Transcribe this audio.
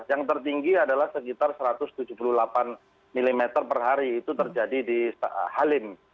yang tertinggi adalah sekitar satu ratus tujuh puluh delapan mm per hari itu terjadi di halim